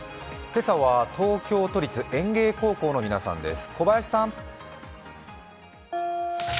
今朝は東京都立園芸高校の皆さんです。